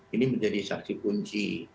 ini menjadi saksi kunci